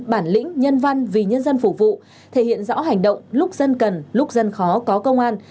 bản lĩnh nhân văn vì nhân dân phục vụ thể hiện rõ hành động lúc dân cần lúc dân khó có công an